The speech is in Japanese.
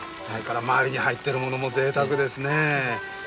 それから周りに入ってる物もぜいたくですね。